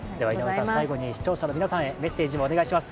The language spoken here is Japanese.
視聴者の皆さんにメッセージをお願いします。